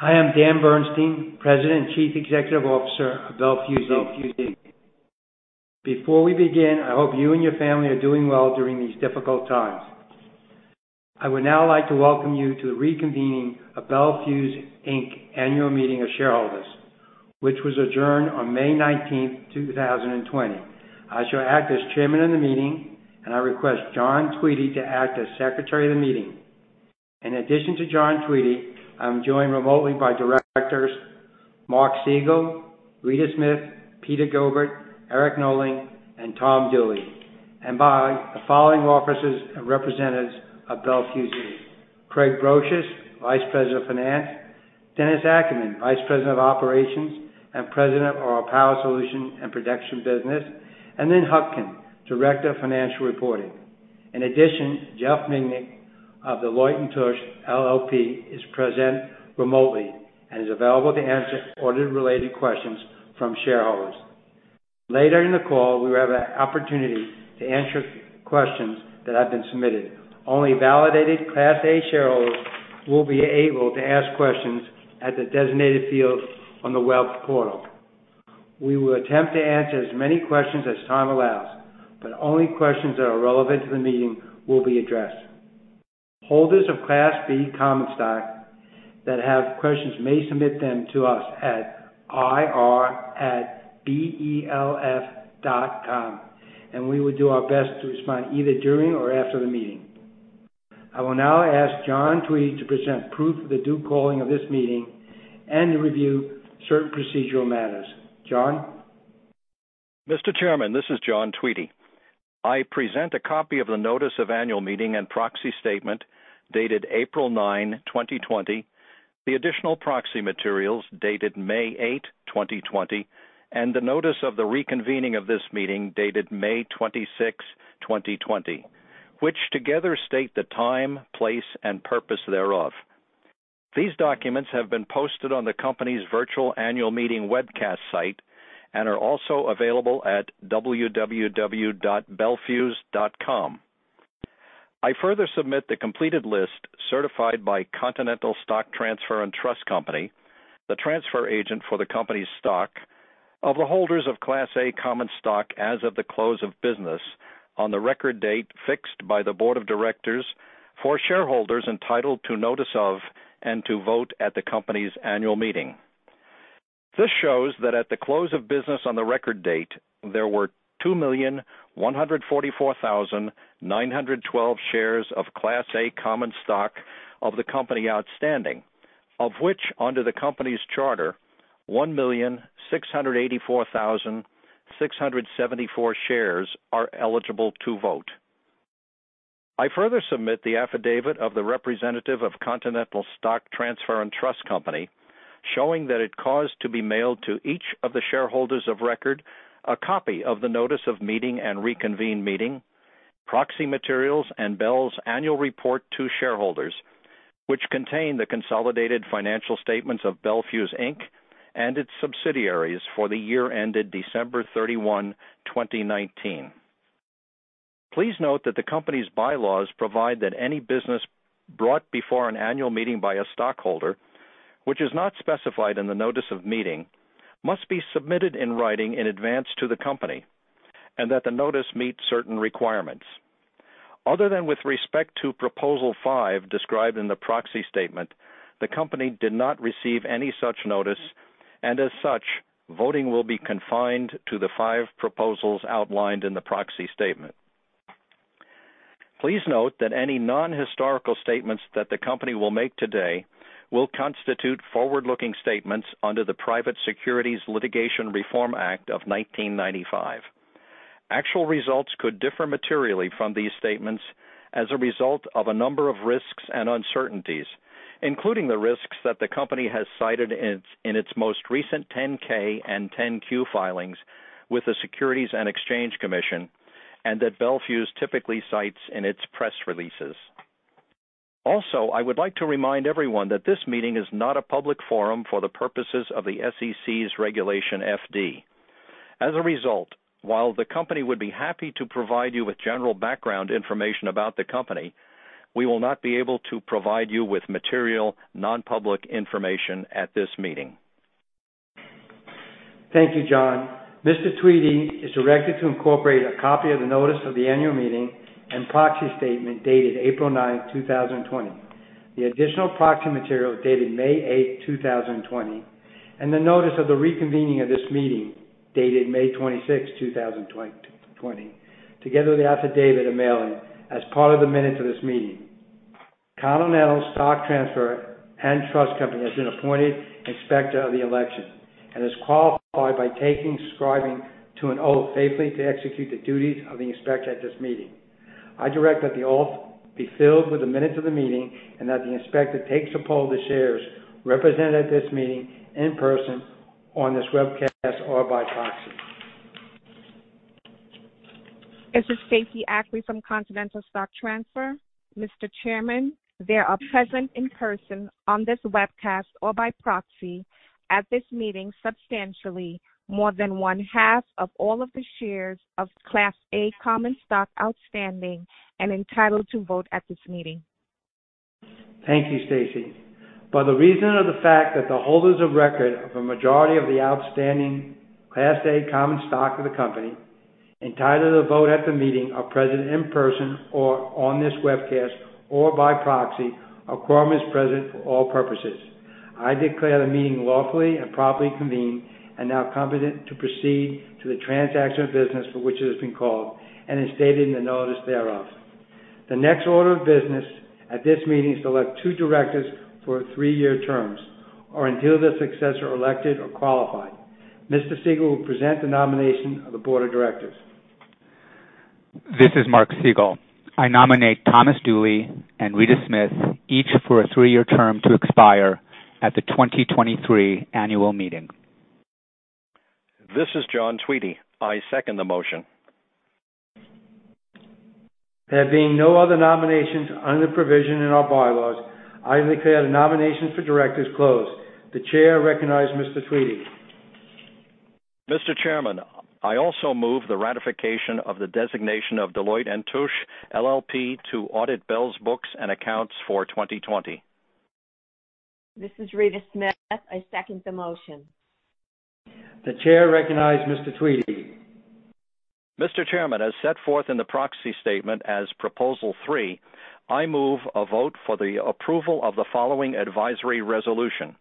Hi, I'm Dan Bernstein, President and Chief Executive Officer of Bel Fuse Inc. Before we begin, I hope you and your family are doing well during these difficult times. I would now like to welcome you to the reconvening of Bel Fuse Inc. Annual Meeting of Shareholders, which was adjourned on May 19th, 2020. I shall act as chairman of the meeting. I request John Tweedy to act as secretary of the meeting. In addition to John Tweedy, I'm joined remotely by directors Mark Segall, Rita Smith, Peter Gilbert, Eric Nowling, and Tom Dooley, and by the following officers and representatives of Bel Fuse Inc: Craig Brosious, Vice President of Finance, Dennis Ackerman, Vice President of Operations, and President of our Power Solutions and Protection Business, and Lynn Hutkin, Director of Financial Reporting. In addition, Jeff Minnick of Deloitte & Touche LLP is present remotely and is available to answer audit-related questions from shareholders. Later in the call, we will have an opportunity to answer questions that have been submitted. Only validated Class A shareholders will be able to ask questions at the designated field on the web portal. We will attempt to answer as many questions as time allows, but only questions that are relevant to the meeting will be addressed. Holders of Class B common stock that have questions may submit them to us at ir@belfuse.com, and we will do our best to respond either during or after the meeting. I will now ask John Tweedy to present proof of the due calling of this meeting and to review certain procedural matters. John? Mr. Chairman, this is John Tweedy. I present a copy of the Notice of Annual Meeting and Proxy Statement dated April 9, 2020, the additional proxy materials dated May 8, 2020, and the notice of the reconvening of this meeting dated May 26, 2020, which together state the time, place, and purpose thereof. These documents have been posted on the company's virtual annual meeting webcast site and are also available at www.belfuse.com. I further submit the completed list certified by Continental Stock Transfer and Trust Company, the transfer agent for the company's stock, of the holders of Class A common stock as of the close of business on the record date fixed by the Board of Directors for shareholders entitled to notice of and to vote at the company's annual meeting. This shows that at the close of business on the record date, there were 2,144,912 shares of Class A common stock of the company outstanding, of which, under the company's charter, 1,684,674 shares are eligible to vote. I further submit the affidavit of the representative of Continental Stock Transfer & Trust Company, showing that it caused to be mailed to each of the shareholders of record a copy of the Notice of Meeting and Reconvened Meeting, proxy materials, and Bel's Annual Report to Shareholders, which contain the consolidated financial statements of Bel Fuse Inc. and its subsidiaries for the year ended December 31, 2019. Please note that the company's bylaws provide that any business brought before an annual meeting by a stockholder which is not specified in the notice of meeting must be submitted in writing in advance to the company and that the notice meet certain requirements. Other than with respect to proposal 5 described in the proxy statement, the company did not receive any such notice, and as such, voting will be confined to the five proposals outlined in the proxy statement. Please note that any non-historical statements that the company will make today will constitute forward-looking statements under the Private Securities Litigation Reform Act of 1995. Actual results could differ materially from these statements as a result of a number of risks and uncertainties, including the risks that the company has cited in its most recent 10-K and 10-Q filings with the Securities and Exchange Commission and that Bel Fuse typically cites in its press releases. Also, I would like to remind everyone that this meeting is not a public forum for the purposes of the SEC's Regulation FD. As a result, while the company would be happy to provide you with general background information about the company, we will not be able to provide you with material non-public information at this meeting. Thank you, John. Mr. Tweedy is directed to incorporate a copy of the Notice of the Annual Meeting and proxy statement dated April 9, 2020, the additional proxy materials dated May 8, 2020, and the notice of the reconvening of this meeting dated May 26, 2020, together with the affidavit of mailing as part of the minutes of this meeting. Continental Stock Transfer & Trust Company has been appointed inspector of the election and is qualified by taking and subscribing to an oath faithfully to execute the duties of the inspector at this meeting. I direct that the oath be filed with the minutes of the meeting and that the inspector takes a poll of the shares represented at this meeting in person, on this webcast, or by proxy. This is Stacy Ackley from Continental Stock Transfer. Mr. Chairman, there are present in person, on this webcast, or by proxy at this meeting substantially more than one half of all of the shares of Class A common stock outstanding and entitled to vote at this meeting. Thank you, Stacy. By the reason of the fact that the holders of record of a majority of the outstanding Class A common stock of the company, entitled to vote at the meeting, are present in person or on this webcast or by proxy, a quorum is present for all purposes. I declare the meeting lawfully and properly convened and now competent to proceed to the transaction of business for which it has been called and as stated in the notice thereof. The next order of business at this meeting is to elect two directors for three-year terms or until their successors are elected or qualified. Mr. Segall will present the nomination of the Board of Directors. This is Mark Segall. I nominate Thomas Dooley and Rita Smith, each for a three-year term to expire at the 2023 annual meeting. This is John Tweedy. I second the motion. There being no other nominations under the provision in our bylaws, I declare the nominations for directors closed. The chair recognizes Mr. Tweedy. Mr. Chairman, I also move the ratification of the designation of Deloitte & Touche LLP to audit Bel's books and accounts for 2020. This is Rita Smith. I second the motion. The chair recognizes Mr. Tweedy. Mr. Chairman, as set forth in the proxy statement as proposal 3, I move a vote for the approval of the following advisory resolution.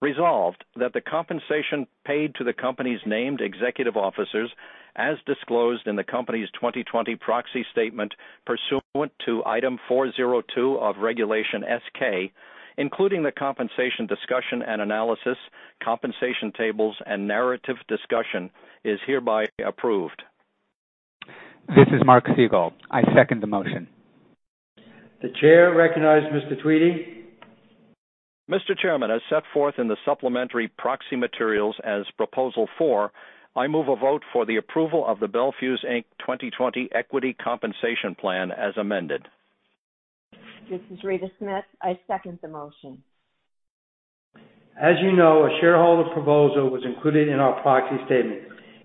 Resolved that the compensation paid to the company's named executive officers, as disclosed in the company's 2020 proxy statement pursuant to Item 402 of Regulation S-K, including the compensation discussion and analysis, compensation tables, and narrative discussion, is hereby approved. This is Mark Segall. I second the motion. The chair recognizes Mr. Tweedy. Mr. Chairman, as set forth in the supplementary proxy materials as proposal 4, I move a vote for the approval of the Bel Fuse Inc. 2020 equity compensation plan as amended. This is Rita Smith. I second the motion. As you know, a shareholder proposal was included in our proxy statement.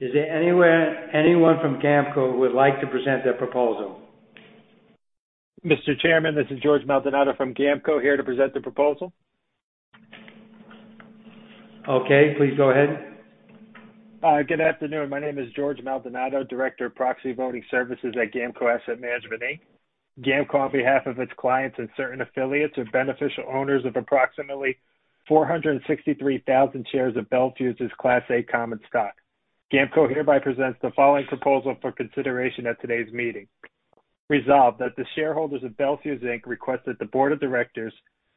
Is there anyone from GAMCO who would like to present their proposal? Mr. Chairman, this is George Maldonado from GAMCO, here to present the proposal. Okay, please go ahead. Good afternoon. My name is George Maldonado, Director of Proxy Voting Services at GAMCO Asset Management Inc. GAMCO, on behalf of its clients and certain affiliates or beneficial owners of approximately 463,000 shares of Bel Fuse's Class A common stock. GAMCO hereby presents the following proposal for consideration at today's meeting. Resolved that the shareholders of Bel Fuse Inc. request that the Board of Directors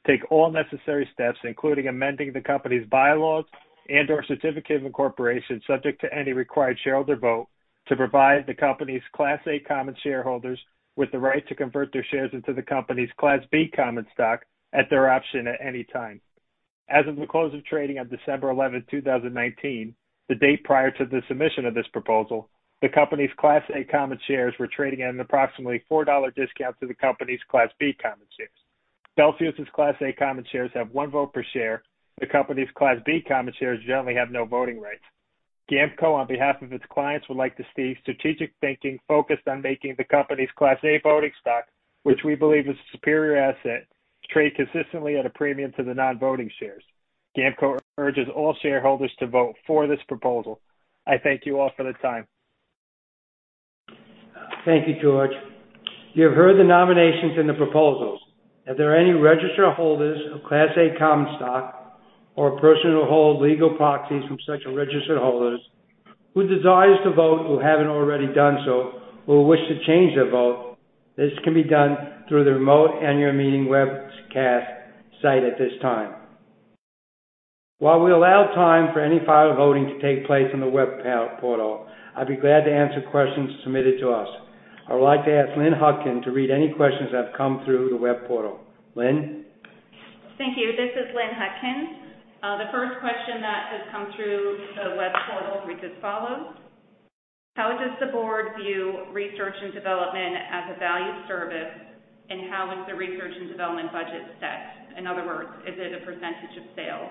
take all necessary steps, including amending the company's bylaws and/or certificate of incorporation, subject to any required shareholder vote, to provide the company's Class A common shareholders with the right to convert their shares into the company's Class B common stock at their option at any time. As of the close of trading on December 11, 2019, the date prior to the submission of this proposal, the company's Class A common shares were trading at an approximately $4 discount to the company's Class B common shares. Bel Fuse's Class A common shares have one vote per share. The company's Class B common shares generally have no voting rights. GAMCO, on behalf of its clients, would like to see strategic thinking focused on making the company's Class A voting stock, which we believe is a superior asset, trade consistently at a premium to the non-voting shares. GAMCO urges all shareholders to vote for this proposal. I thank you all for the time. Thank you, George. You have heard the nominations and the proposals. Are there any registered holders of Class A common stock or a person who holds legal proxies from such registered holders who desires to vote who haven't already done so or wish to change their vote? This can be done through the remote annual meeting webcast site at this time. While we allow time for any file voting to take place on the web portal, I'd be glad to answer questions submitted to us. I would like to ask Lynn Hutkin to read any questions that have come through the web portal. Lynn? Thank you. This is Lynn Hutkin. The first question that has come through the web portal reads as follows: How does the Board view research and development as a valued service, and how is the research and development budget set? In other words, is it a percentage of sales?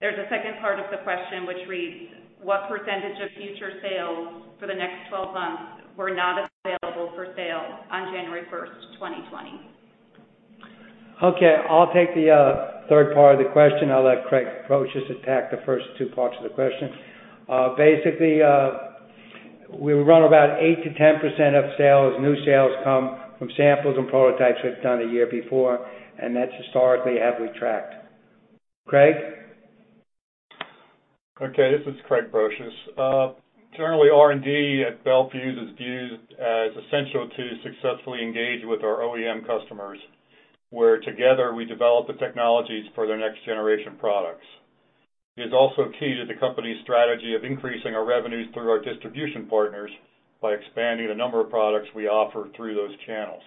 There's a second part of the question which reads: What percentage of future sales for the next 12 months were not available for sale on January 1st, 2020? Okay, I'll take the third part of the question. I'll let Craig Brosious attack the first two parts of the question. Basically, we run about 8%-10% of new sales come from samples and prototypes we've done the year before, and that historically have we tracked. Craig? Okay, this is Craig Brosious. Generally, R&D at Bel Fuse is viewed as essential to successfully engage with our OEM customers, where together we develop the technologies for their next-generation products. It is also key to the company's strategy of increasing our revenues through our distribution partners by expanding the number of products we offer through those channels.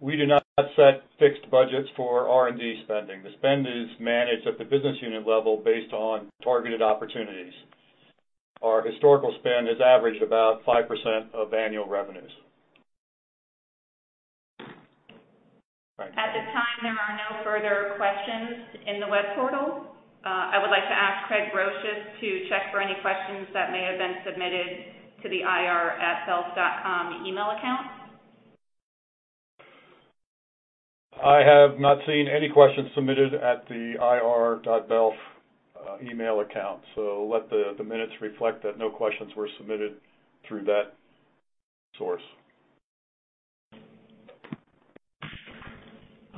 We do not set fixed budgets for R&D spending. The spend is managed at the business unit level based on targeted opportunities. Our historical spend has averaged about 5% of annual revenues. At this time, there are no further questions in the web portal. I would like to ask Craig Brosious to check for any questions that may have been submitted to the ir@belfuse.com email account. I have not seen any questions submitted at the ir.belfuse.com email account. Let the minutes reflect that no questions were submitted through that source.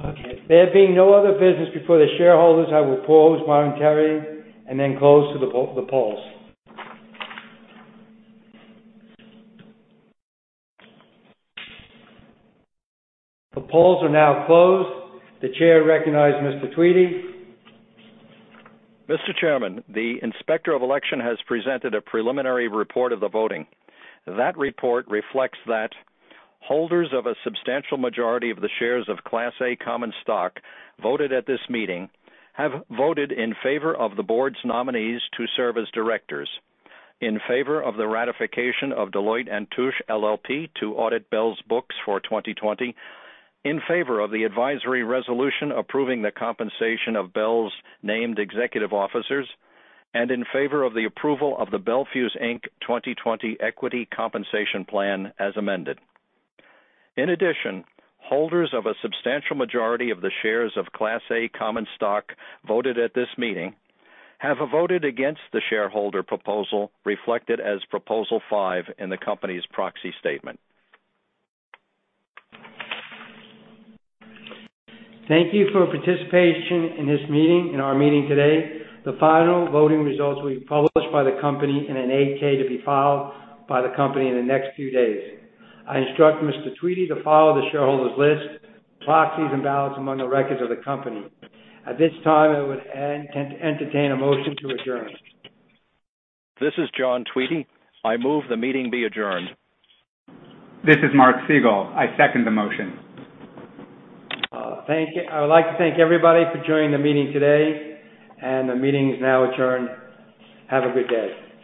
Okay. There being no other business before the shareholders, I will pause momentarily and then close the polls. The polls are now closed. The chair recognizes Mr. Tweedy. Mr. Chairman, the Inspector of Election has presented a preliminary report of the voting. That report reflects that holders of a substantial majority of the shares of Class A common stock voted at this meeting, have voted in favor of the Board's nominees to serve as directors, in favor of the ratification of Deloitte & Touche LLP to audit Bel's books for 2020, in favor of the advisory resolution approving the compensation of Bel's named executive officers, and in favor of the approval of the Bel Fuse Inc. 2020 equity compensation plan, as amended. In addition, holders of a substantial majority of the shares of Class A common stock voted at this meeting, have voted against the shareholder proposal reflected as proposal 5 in the company's proxy statement. Thank you for participation in this meeting, in our meeting today. The final voting results will be published by the company in an 8-K to be filed by the company in the next few days. I instruct Mr. Tweedy to file the shareholders list, proxies, and ballots among the records of the company. At this time, I would entertain a motion to adjourn. This is John Tweedy. I move the meeting be adjourned. This is Mark Segall. I second the motion. I would like to thank everybody for joining the meeting today, and the meeting is now adjourned. Have a good day.